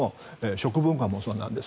食文化もそうなんです。